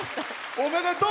おめでとう！